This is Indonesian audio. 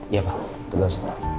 iya pak itu gak usah